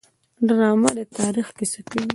ډرامه د تاریخ کیسه کوي